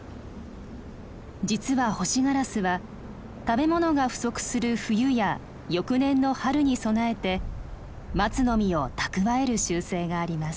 実はホシガラスは食べ物が不足する冬や翌年の春に備えてマツの実を蓄える習性があります。